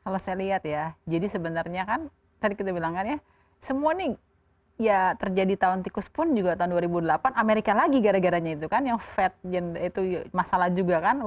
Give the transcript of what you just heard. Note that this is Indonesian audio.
kalau saya lihat ya jadi sebenarnya kan tadi kita bilang kan ya semua nih ya terjadi tahun tikus pun juga tahun dua ribu delapan amerika lagi gara garanya itu kan yang fat itu masalah juga kan